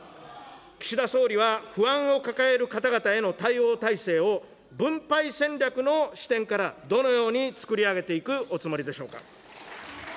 岸田総理は不安を抱える方々への対応体制を、分配戦略の視点から、どのようにつくり上げていくおつもりでしょうか。